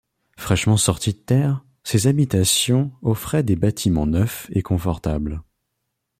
Fraîchement sortis de terre, ces habitations offraient des bâtiments neufs et confortables.